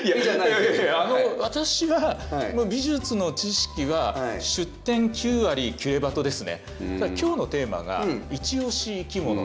あの私は美術の知識は出典９割「キュレバト」ですね。今日のテーマが「イチ推し生きもの」。